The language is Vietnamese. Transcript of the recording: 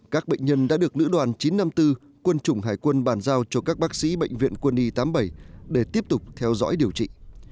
các bệnh nhân đã được nữ đoàn chín trăm năm mươi bốn quân chủng hải quân bàn giao cho các bác sĩ bệnh viện quân y tám mươi bảy để tiếp tục theo dõi điều trị